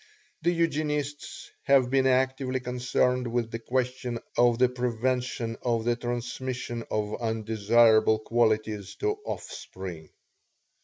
The Eugenists have been actively concerned with the question of the prevention of the transmission of undesirable qualities to offspring.